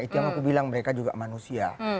itu yang aku bilang mereka juga manusia